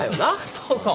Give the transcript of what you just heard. そうそう。